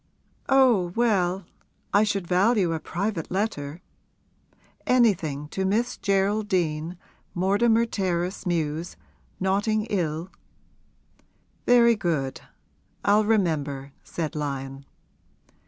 'Oh well, I should value a private letter! Anything to Miss Geraldine, Mortimer Terrace Mews, Notting 'ill ' 'Very good; I'll remember,' said Lyon.